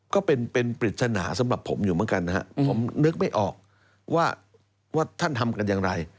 ก็เป็นปริศนาสำหรับผมอยู่เหมือนกันนะครับผมนึกไม่ออกว่าท่านทำกันอย่างไร